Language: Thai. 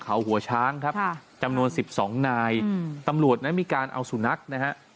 เขาหัวช้างครับจำนวนสิบสองนายอืมตำรวจนั้นมีการเอาสุนัขนะฮะ